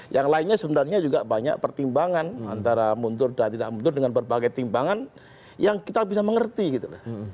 yang lainnya sebenarnya juga banyak pertimbangan antara mundur dan tidak mundur dengan berbagai timbangan yang kita bisa mengerti gitu